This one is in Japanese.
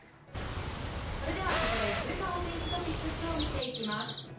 それでは、ここで週間お天気トピックスを見ていきます。